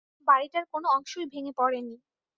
বাড়িটার কোনো অংশই ভেঙে পড়েনি।